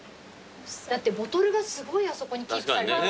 だってボトルがすごいあそこにキープされて。